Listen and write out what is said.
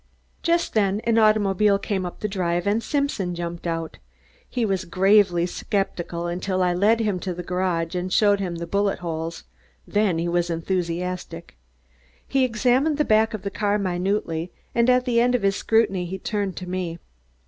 Just then an automobile came up the drive and Simpson jumped out. He was gravely skeptical until I led him into the garage and showed him the bullet holes; then he was enthusiastic. He examined the back of the car minutely, and at the end of his scrutiny he turned to me.